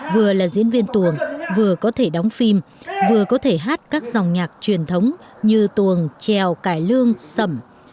vừa là diễn viên tuồng vừa có thể đóng phim vừa có thể hát các dòng nhạc truyền thống như tuồng trèo cải lương sầm